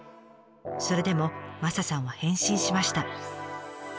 それでもマサさんは変身しました。